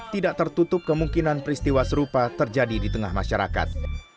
tidak tertutup kemungkinan peristiwa serupa terjadi di tengah masyarakat